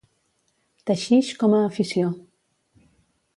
Teixix com a afició.